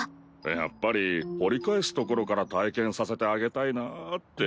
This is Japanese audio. やっぱり掘り返すところから体験させてあげたいなって。